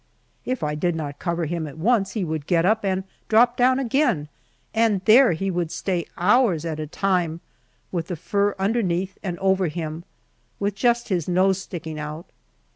If I did not cover him at once, he would get up and drop down again, and there he would stay hours at a time with the fur underneath and over him, with just his nose sticking out.